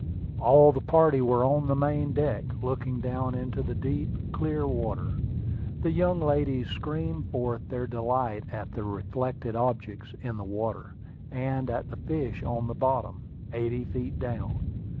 All the party were on the main deck, looking down into the deep, clear water. The young ladies screamed forth their delight at the reflected objects in the water, and at the fish on the bottom, eighty feet down.